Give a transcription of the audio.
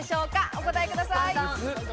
お答えください。